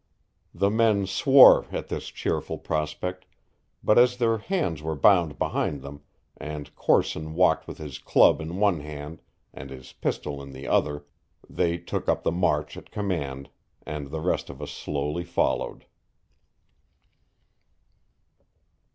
The men swore at this cheerful prospect, but as their hands were bound behind them, and Corson walked with his club in one hand and his pistol in the other, they took up the march at command, and the rest of us slowly followed.